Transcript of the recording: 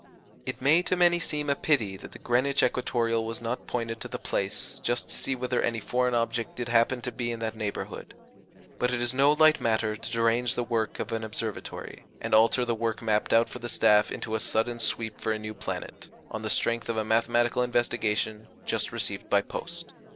It may to many seem a pity that the Greenwich Equatoreal was not pointed to the place, just to see whether any foreign object did happen to be in that neighbourhood; but it is no light matter to derange the work of an Observatory, and alter the work mapped out for the staff into a sudden sweep for a new planet, on the strength of a mathematical investigation just received by post.